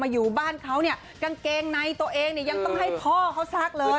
อยู่บ้านเขาเนี่ยกางเกงในตัวเองเนี่ยยังต้องให้พ่อเขาซักเลย